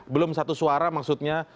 belum satu suara maksudnya